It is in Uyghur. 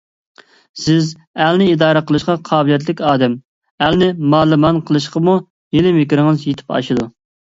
سىز ئەلنى ئىدارە قىلىشقا قابىلىيەتلىك ئادەم، ئەلنى مالىمان قىلىشقىمۇ ھىيلە - مىكرىڭىز يېتىپ ئاشىدۇ!